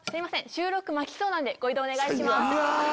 収録巻きそうなんでご移動お願いします。